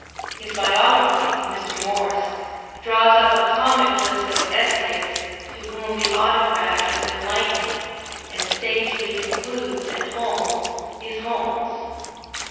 His biographer, Mr. Morse, draws up a comic list of essay ists to whom the Autocrat has been likened, and sagely con cludes that Holmes is Holmes.